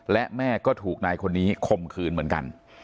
และแม่ก็ถูกนายคนนี้คมคืนเหมือนกัน